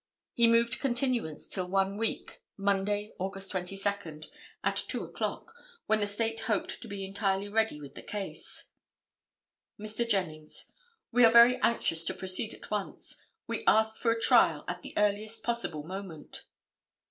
He moved a continuance till one week, Monday, August 22, at 2 o'clock, when the State hoped to be entirely ready with the case. Mr. Jennings—"We are very anxious to proceed at once. We ask for a trial at the earliest possible moment."